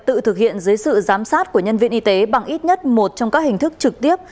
tự thực hiện dưới sự giám sát của nhân viên y tế bằng ít nhất một trong các hình thức trực tiếp